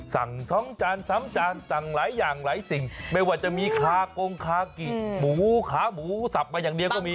สั่ง๒จาน๓จานสั่งหลายอย่างหลายสิ่งไม่ว่าจะมีคากงคากิหมูขาหมูสับมาอย่างเดียวก็มี